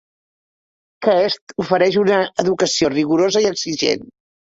Quest ofereix una educació rigorosa i exigent.